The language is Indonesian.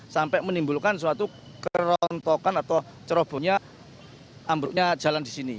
sampai menimbulkan suatu kerontokan atau cerobohnyaatson disini